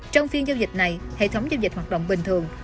trong phiên giao dịch này hệ thống giao dịch hoạt động bình thường